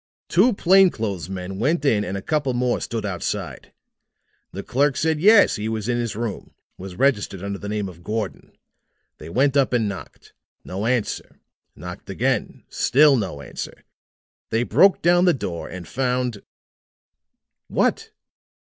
"Two plain clothes men went in and a couple more stood outside. The clerk said yes, he was in his room. Was registered under the name of Gordon. They went up and knocked. No answer. Knocked again. Still no answer. They broke down the door, and found " "What?"